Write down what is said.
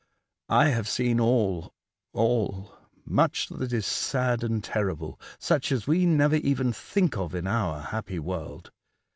I have seen all — all — much that is sad and terrible, such as we never even think of in our happy world.